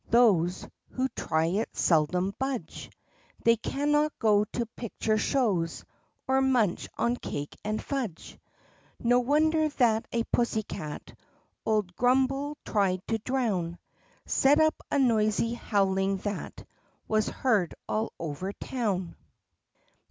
Those Who try it seldom budge ; They cannot go to picture shows Or munch on cake and fudge. No wonder that a pussycat Old Grummbel tried to drown Set up a noisy howling that Was heard all over town.